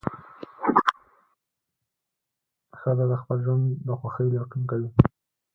ښځه د خپل ژوند د خوښۍ لټون کوي.